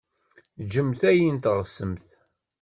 Gemt ayen teɣsemt.